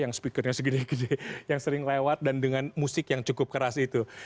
yang speakernya segini gede yang sering lewat dan dengan musik yang cukup keras itu